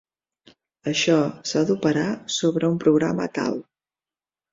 Això s'ha d'operar sobre un programa tal.